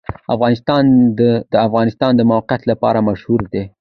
افغانستان د د افغانستان د موقعیت لپاره مشهور دی.